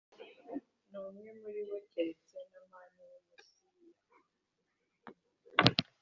n umwe muri bo keretse Namani w Umusiriya